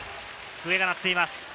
笛が鳴っています。